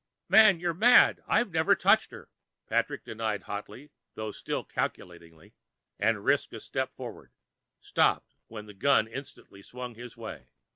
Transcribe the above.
"Man, you're mad; I've not touched her!" Patrick denied hotly though still calculatingly, and risked a step forward, stopping when the gun instantly swung his way.